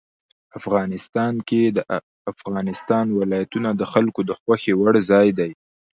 افغانستان کې د افغانستان ولايتونه د خلکو د خوښې وړ ځای دی.